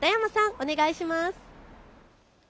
お願いします。